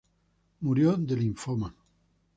Murió de linfoma.